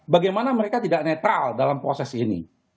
bagaimana mereka tidak netral dalam proses ini